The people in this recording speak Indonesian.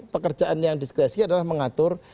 pekerjaan yang diskresi adalah mengatur